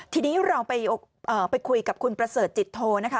ทีนี้เราไปคุยกับคุณประเสริฐจิตโทนะคะ